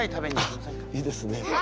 あっいいですね。